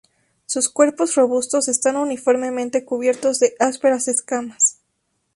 Sus cuerpos robustos están uniformemente cubiertos de ásperas escamas.